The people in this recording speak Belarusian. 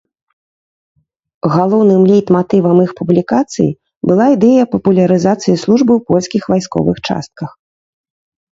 Галоўным лейтматывам іх публікацый была ідэя папулярызацыі службы ў польскіх вайсковых частках.